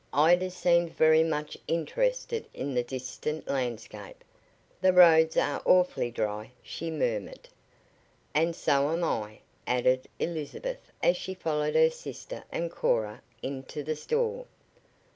Ida seemed very much interested in the distant landscape. "The roads are awfully dry," she murmured. "And so am I," added Elizabeth as she followed her sister and Cora into the store.